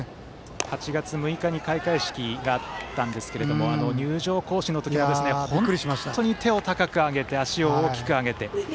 ８月６日に開会式があったんですが入場行進のときに本当に高く手を上げて足を大きく上げて。